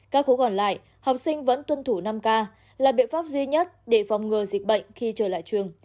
các khối còn lại học sinh vẫn tuân thủ năm k là biện pháp duy nhất để phòng ngừa dịch bệnh khi trở lại trường